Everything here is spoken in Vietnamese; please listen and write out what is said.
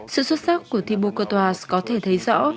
sự xuất sắc của thibaut cottois có thể thấy rõ